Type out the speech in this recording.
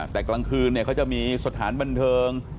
แต่กลางคืนเนี่ยเขาจะมีสถานบรรเทิง